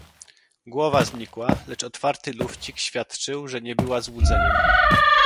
"Głowa znikła, lecz otwarty lufcik świadczył, że nie była złudzeniem."